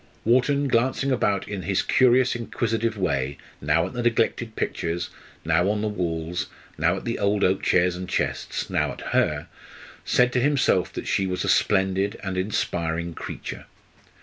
Wharton glancing about in his curious inquisitive way, now at the neglected pictures, now on the walls, now at the old oak chairs and chests, now at her, said to himself that she was a splendid and inspiring creature.